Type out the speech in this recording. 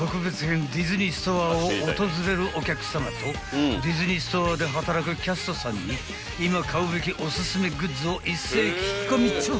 ［ディズニーストアを訪れるお客さまとディズニーストアで働くキャストさんに今買うべきおすすめグッズを一斉聞き込み調査］